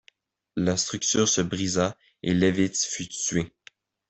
La structure se brisa et Levitz fut tué.